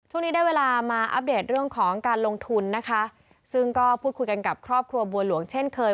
ช่วงนี้ได้เวลามาอัปเดตเรื่องของการลงทุนนะคะซึ่งก็พูดคุยกันกับครอบครัวบัวหลวงเช่นเคย